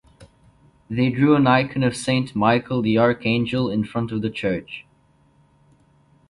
They drew an icon of Saint Michael the Archangel in front of the church.